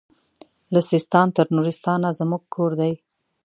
له سیستان تر نورستانه زموږ کور دی